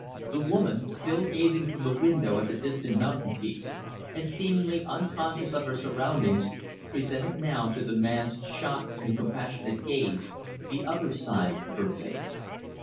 The woman still gazing from the window at the distant mountain peaks, and seemingly unconscious of her surroundings presented now, to the man's shocked and compassionate gaze, the other side of her face.